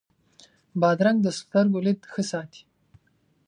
بادرنګ د سترګو لید ښه ساتي.